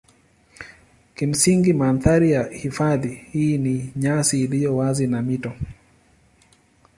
Kimsingi mandhari ya hifadhi hii ni nyasi iliyo wazi na mito.